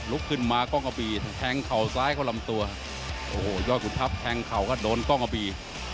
ลุกขึ้นมากล้องกระบีแทงเข่าซ้ายเข้าลำตัวโอ้โหยอดขุนทัพแทงเข่าก็โดนกล้องกระบี